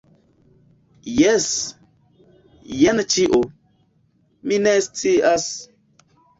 Jes. Jen ĉio. Mi ne scias!